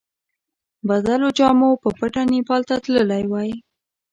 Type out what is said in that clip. بدلو جامو په پټه نیپال ته تللی وای.